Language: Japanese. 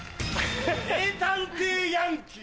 名探偵ヤンキー。